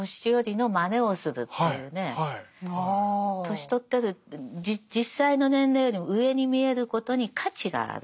年取ってる実際の年齢よりも上に見えることに価値がある。